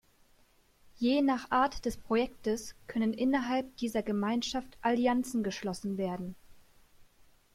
Je nach Art des Projektes können innerhalb dieser Gemeinschaft Allianzen geschlossen werden.